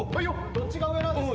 どっちが上なんですか？